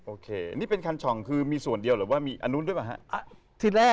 โอเคนี่เป็นคันช่องคือมีส่วนเดียวหรือว่ามีอันนู้นด้วยป่ะฮะที่แรก